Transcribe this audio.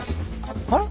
あれ？